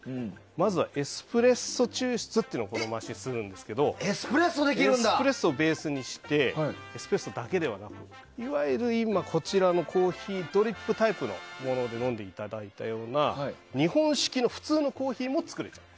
まずは、エスプレッソ抽出をこのマシンはするんですけどエスプレッソをベースにしてエスプレッソだけではなくいわゆるこちらのコーヒードリップタイプのもので飲んでいただいたような日本式の、普通のコーヒーも作れちゃう。